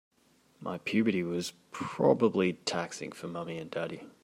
My puberty was probably taxing for mommy and daddy.